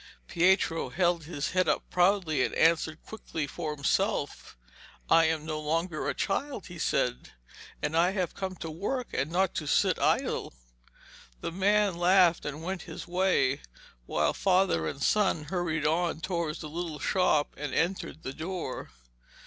Pietro held his head up proudly, and answered quickly for himself. 'I am no longer a child,' he said; 'and I have come to work and not to sit idle.' The man laughed and went his way, while father and son hurried on towards the little shop and entered the door.